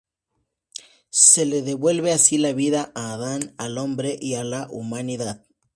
Se le devuelve así la vida a Adán: al hombre y a la humanidad.